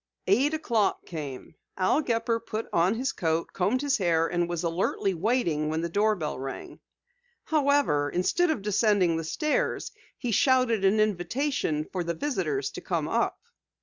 Eight o'clock came. Al Gepper put on his coat, combed his hair and was alertly waiting when the doorbell rang. However, instead of descending the stairs he shouted an invitation for the visitors to come up.